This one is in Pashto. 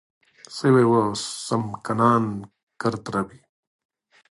سوی اوه و سمکنان کرد روی